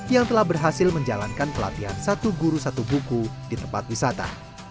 yang telah berhasil menjalankan pelatihan satu guru satu buku di tempat wisata